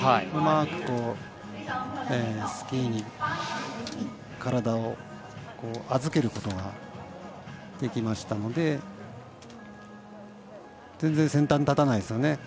うまくスキーに体を預けることができましたので全然、先端立たないですよね。